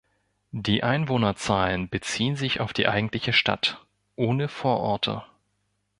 Die Einwohnerzahlen beziehen sich auf die eigentliche Stadt ohne Vororte.